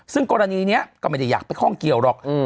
ซึ่งกรณีนี้ก็ไม่ได้อยากไปข้องเกี่ยวหรอก